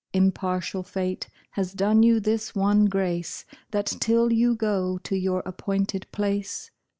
Impartial fate has done you this one grace, That till you go to your appointed place.